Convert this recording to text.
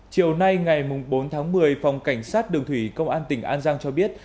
chiều nay ngày bốn tháng một mươi phòng cảnh sát đường thủy công an tỉnh an giang cho biết